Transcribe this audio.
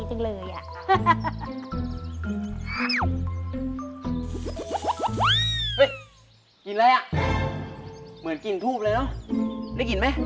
กินอะไรอ่ะเหมือนกลิ่นทูบเลยเนอะได้กลิ่นไหม